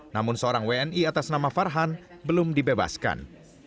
namun seorang wni atas nama farhan belum dibebaskan